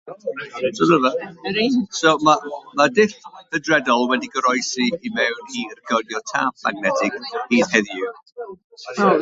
Mae'r dull hydredol wedi goroesi i mewn i recordio tâp magnetig hyd heddiw.